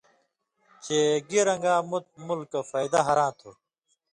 چے گی رنگاں مُت مُلکہ فېدہ ہراں تھو۔